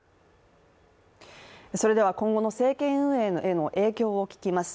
それでは今後の政権運営への影響を聞きます。